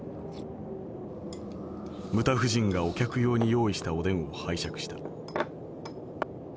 牟田夫人がお客用に用意したおでんを拝借した。